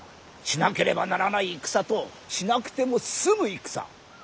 しなければならない戦としなくても済む戦。